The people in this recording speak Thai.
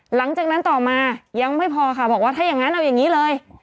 หลังจากนั้นต่อมายังไม่พอค่ะบอกว่าถ้าอย่างนั้นเอาอย่างนี้เลย